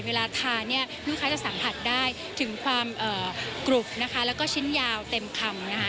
เวลาทานี่ลูกค้าจะสัมผัสได้ถึงความกรุบและชิ้นยาวเต็มคำ